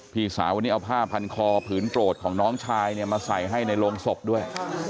พี่สาววันนี้เอาผ้าพันคอผืนโปรดของน้องชายเนี่ยมาใส่ให้ในโรงศพด้วย